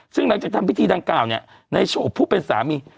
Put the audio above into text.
ซึ่งหลังจากทำพิธีดัง๙ในโชคผู้เป็นสามี